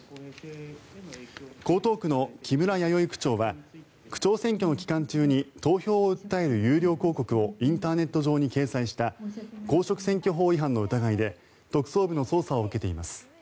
江東区の木村弥生区長は区長選挙の期間中に投票を訴える有料広告をインターネット上に掲載した公職選挙法違反の疑いで特捜部の捜査を受けています。